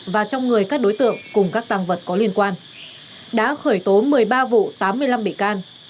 và trong người các đối tượng cùng các tăng vật có liên quan đã khởi tố một mươi ba vụ tám mươi năm bị can